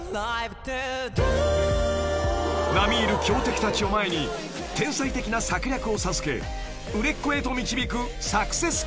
［並み居る強敵たちを前に天才的な策略を授け売れっ子へと導くサクセスコメディー］